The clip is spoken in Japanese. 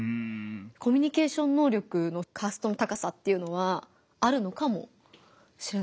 コミュニケーション能力のカーストの高さっていうのはあるのかもしれないですね。